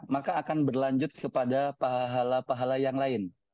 maka akan berlanjut kepada pahala pahala yang lain